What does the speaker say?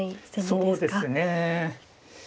そうですね。